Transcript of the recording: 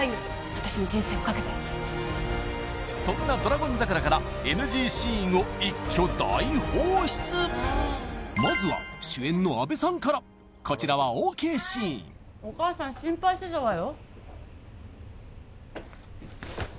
私の人生をかけてそんな「ドラゴン桜」からＮＧシーンを一挙大放出まずは主演の阿部さんからこちらはＯＫシーンお母さん心配してたわよ